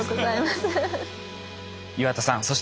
岩田さん。